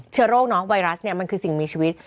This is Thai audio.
เชื้อโรคไวรัสนี่มันคือสิ่งมีชีวิต